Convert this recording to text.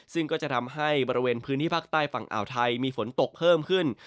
ซึ่งก็จะทำให้บริเวณพื้นที่ภาคใต้ฝั่งอ่าวไทยมีฝนตกเพิ่มขึ้น